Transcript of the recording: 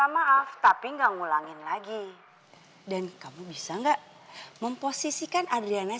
mau bicara sama adriana